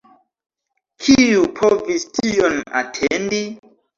Kiu povis tion atendi!